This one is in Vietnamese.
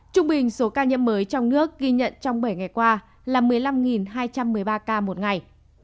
trung bình số ca nhiễm mới trong nước ghi nhận trong bảy ngày qua là một mươi năm hai trăm một mươi ba ca một ngày